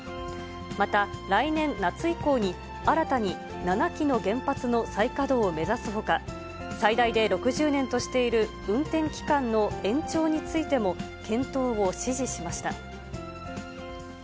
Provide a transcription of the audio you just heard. また、来年夏以降に新たに７基の原発の再稼働を目指すほか、最大で６０年としている運転期間の延長についても、検討を指示しました。